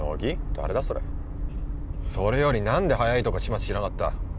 誰だそれそれより何で早いとこ始末しなかった？